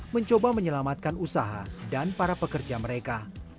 mencoba menyelamatkan usaha dan para pekerja mereka